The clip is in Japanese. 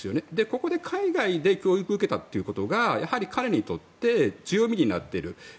ここで海外で教育を受けたということがやはり彼にとって強みになっている。